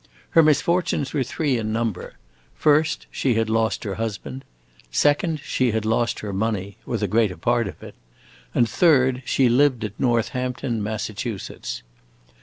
Her misfortunes were three in number: first, she had lost her husband; second, she had lost her money (or the greater part of it); and third, she lived at Northampton, Massachusetts.